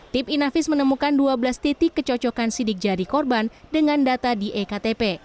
tim inafis menemukan dua belas titik kecocokan sidik jari korban dengan data di ektp